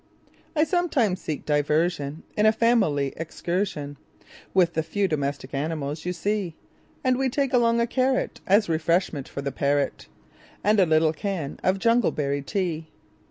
I sometimes seek diversionIn a family excursionWith the few domestic animals you see; And we take along a carrotAs refreshment for the parrot, And a little can of jungleberry tea.